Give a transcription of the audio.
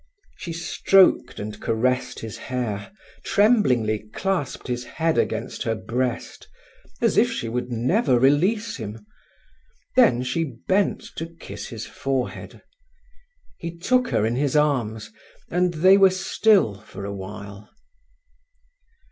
She stroked and caressed his hair, tremblingly clasped his head against her breast, as if she would never release him; then she bent to kiss his forehead. He took her in his arms, and they were still for awhile.